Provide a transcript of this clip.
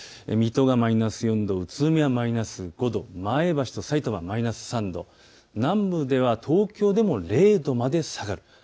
水戸がマイナス４度、宇都宮マイナス５度、前橋とさいたまマイナス３度南部では東京でも０度で下がる。